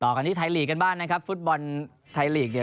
กันที่ไทยลีกกันบ้างนะครับฟุตบอลไทยลีกเนี่ย